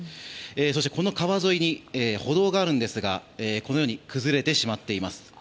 そしてこの川沿いに歩道があるんですが崩れてしまっています。